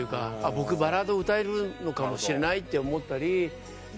僕バラード歌えるのかもしれないって思ったり。